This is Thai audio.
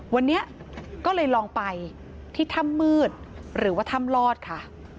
วันนี้ก็เลยลองไปที่ถ้ำมืดหรือว่าถ้ำลอดค่ะ